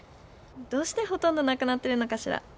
どうしてほとんどなくなってるのかしら？